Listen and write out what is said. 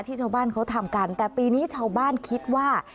ชาวบ้านเขาทำกันแต่ปีนี้ชาวบ้านคิดว่า